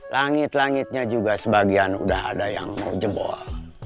langit langitnya juga sebagian sudah ada yang mau jebol